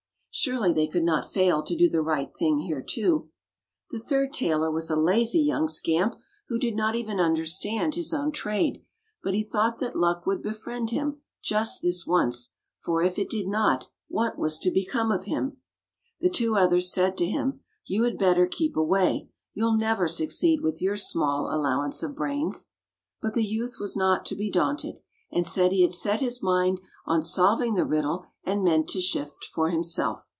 Surely, they could not fail to do the right thing here, too. The third tailor was a lazy 178 Fairy Tale Bears young scamp who did not even understand his own trade, but he thought that luck would befriend him, just this once, for if it did not, what was to become of him? The two others said to him: "You had better keep away. You 'll never succeed with your small allowance of brains." But the youth was not to be daunted, and said he had set his mind on solving the riddle and meant to shift for himself.